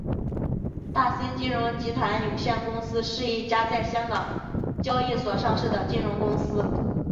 大新金融集团有限公司是一家在香港交易所上市的金融公司。